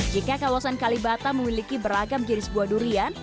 jika kawasan kalibata memiliki beragam jenis buah durian